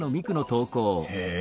へえ